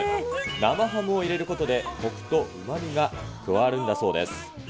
生ハムを入れることで、こくとうまみが加わるんだそうです。